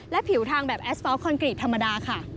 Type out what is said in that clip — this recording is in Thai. และผิวทางแบบแอสตอลคอนกรีตธรรมดาค่ะ